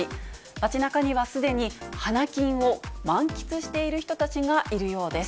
街なかにはすでに花金を満喫している人たちがいるようです。